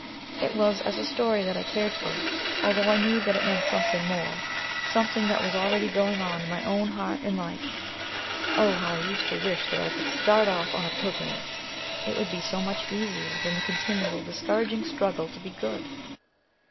It was as a story that I cared for it, although I knew that it meant something more, something that was already going on in my own heart and life. Oh, how I used to wish that I too could start off on a pilgrimage! It would be so much easier than the continual, discouraging struggle to be good!